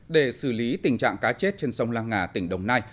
để xử lý tình trạng cá chết trên sông la nga tỉnh đồng nai